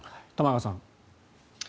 玉川さん。